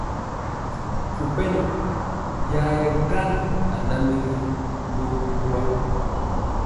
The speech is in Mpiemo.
Mpu pɛnɔ ya yɛ gan anam ri lo ɓowa.